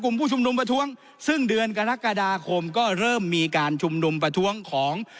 ผู้ชุมนุมประท้วงซึ่งเดือนกรกฎาคมก็เริ่มมีการชุมนุมประท้วงของ